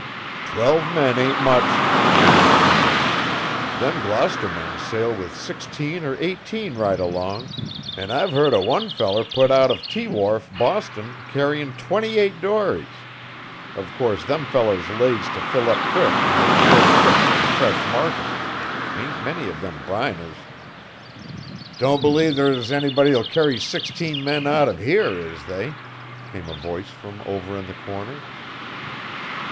"Twelve men ain't much," put in Tanner. "Them Gloucester men sail with sixteen or eighteen right along, and I've heard o' one feller put out of T Wharf, Boston, carryin' twenty eight dories. Of course, them fellers lays to fill up quick and make short trips fer the fresh market. Ain't many of them briners." "Don't believe there's anybody'll carry sixteen men out of here, is they?" came a voice from over in the corner.